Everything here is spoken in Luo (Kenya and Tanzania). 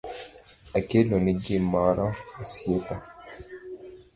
Akeloni gimoro osiepa